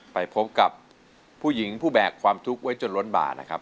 ไปพบกับผู้หญิงผู้แบกความทุกข์ไว้จนล้นบ่านะครับ